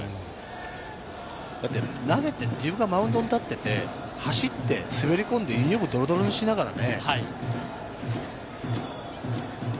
だって自分がマウンドに立ってて、走って滑り込んでユニホームをドロドロにしながらね。